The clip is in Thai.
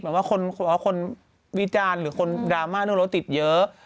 ว่าคนวิจารณ์หรือคนดราม่าเรื่องรถติดเยอะ